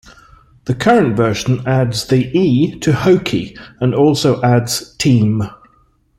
The current version adds the 'e' to Hokie and also adds Team!